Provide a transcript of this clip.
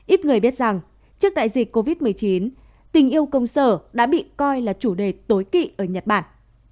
ít người biết rằng trước đại dịch covid một mươi chín tình yêu công sở đã bị coi là chủ đề tối kỵ ở nhật bản